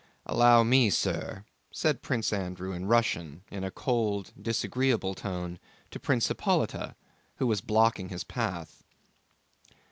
"Allow me, sir," said Prince Andrew in Russian in a cold, disagreeable tone to Prince Hippolyte who was blocking his path.